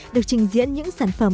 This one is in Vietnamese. được trình diễn những sản phẩm